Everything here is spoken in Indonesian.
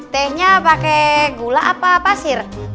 tehnya pakai gula apa pasir